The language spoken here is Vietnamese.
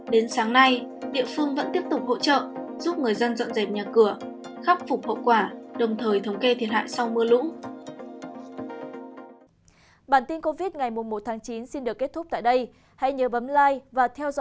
đến sáng nay địa phương vẫn tiếp tục hỗ trợ giúp người dân dọn dẹp nhà cửa khắc phục hậu quả đồng thời thống kê thiệt hại sau mưa lũ